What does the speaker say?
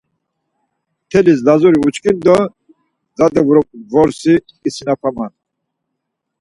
Mtelis Lazuri uçkinan do zade vrossi isinapaman.